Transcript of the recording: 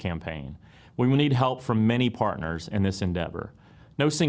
kami membutuhkan bantuan dari banyak pasangan dalam perjuangan ini